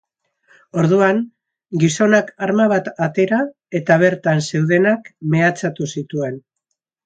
Orduan, gizonak arma bat atera eta bertan zeudenak mehatxatu zituen.